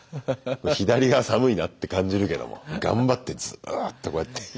左が寒いなって感じるけども頑張ってずっとこうやって。